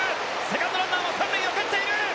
セカンドランナーも三塁を蹴っている。